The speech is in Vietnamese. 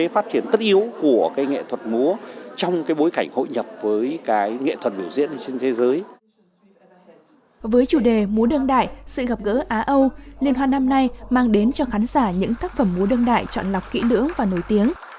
với chủ đề múa đương đại sự gặp gỡ á âu liên hoan năm nay mang đến cho khán giả những tác phẩm múa đương đại chọn lọc kỹ lưỡng và nổi tiếng